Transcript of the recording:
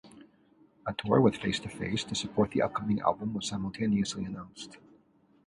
A tour with Face to Face to support the upcoming album was simultaneously announced.